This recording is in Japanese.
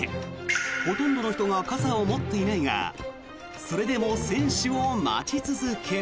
ほとんどの人が傘を持っていないがそれでも選手を待ち続ける。